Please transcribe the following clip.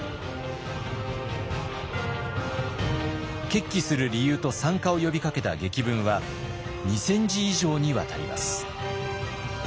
決起する理由と参加を呼びかけた檄文は２，０００字以上にわたります。